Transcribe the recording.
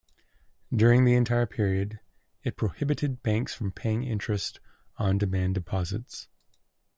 During that entire period, it prohibited banks from paying interest on demand deposits.